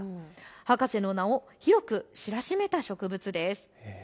博士の名を広く知らしめた植物です。